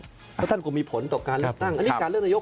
เพราะท่านก็มีผลต่อการเลือกตั้ง